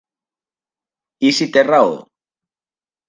I si té raó?